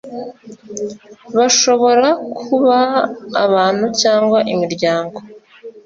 Bashobora kuba abantu cyangwa imiryango